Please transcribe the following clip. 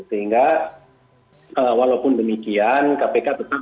sehingga walaupun demikian kpk tetap